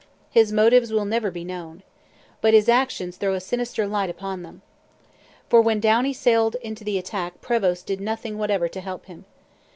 His motives will never be known. But his actions throw a sinister light upon them. For when Downie sailed in to the attack Prevost did nothing whatever to help him.